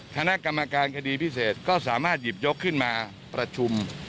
คณะกรรมการคดีพิเศษก็สามารถหยิบยกขึ้นมาประชุม